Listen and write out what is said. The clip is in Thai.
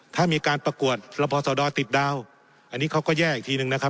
ถ้ามีการประกวดระพศดรติดดาวอันนี้เขาก็แย่อีกทีหนึ่งนะครับ